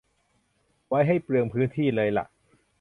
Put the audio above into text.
ไว้ให้เปลืองพื้นที่เลยล่ะ